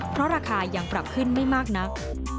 เพราะราคายังปรับขึ้นไม่มากนัก